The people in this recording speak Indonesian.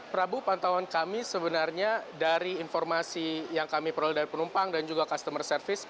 prabu pantauan kami sebenarnya dari informasi yang kami peroleh dari penumpang dan juga customer service